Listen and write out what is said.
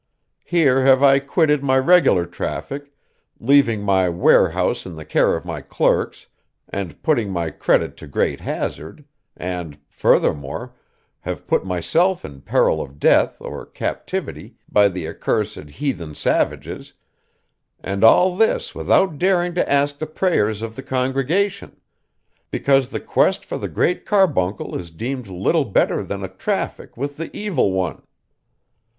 Here have I quitted my regular traffic, leaving my warehouse in the care of my clerks, and putting my credit to great hazard, and, furthermore, have put myself in peril of death or captivity by the accursed heathen savages and all this without daring to ask the prayers of the congregation, because the quest for the Great Carbuncle is deemed little better than a traffic with the Evil One.